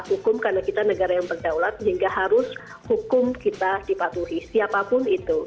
hukum karena kita negara yang berdaulat sehingga harus hukum kita dipatuhi siapapun itu